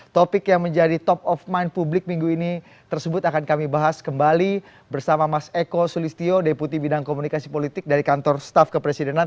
topik yang menjadi top of mind publik minggu ini tersebut akan kami bahas kembali bersama mas eko sulistyo deputi bidang komunikasi politik dari kantor staf kepresidenan